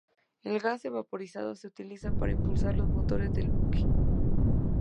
El gas evaporado se utiliza para impulsar los motores del buque.